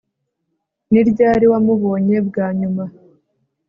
Ni ryari wamubonye bwa nyuma